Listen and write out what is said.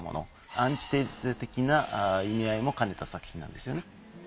アンチテーゼ的な意味合いも兼ねた作品なんですよね。